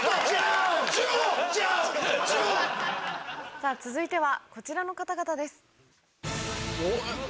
さぁ続いてはこちらの方々です。